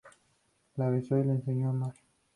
La besó y le enseñó a amar.